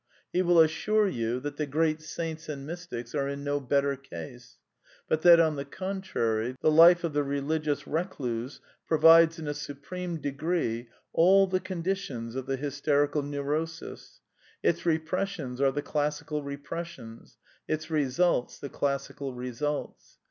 He will assure you that the great saints and mystics are in no better case; but that, on the contrary, the life of the religious recluse A provides in a supreme degree all the conditions of the j hysterical neurosis ; its repressions are the classical repres I sions ; its results the classical results.